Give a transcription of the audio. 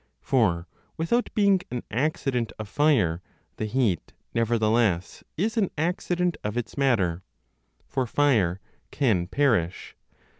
For, without being an accident of fire, the heat, nevertheless, is an accident of its matter; for fire can perish.